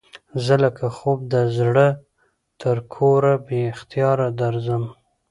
زه لکه خوب د زړه تر کوره بې اختیاره درځم